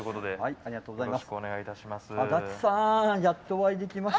ありがとうございます！